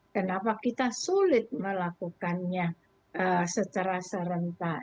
kenapa kita sulit melakukannya secara serentak